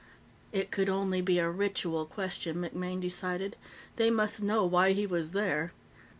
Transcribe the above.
It could only be a ritual question, MacMaine decided; they must know why he was there.